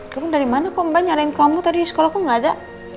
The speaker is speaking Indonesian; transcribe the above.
turun dari mana kok mba nyarain kamu tadi di sekolah kok enggak ada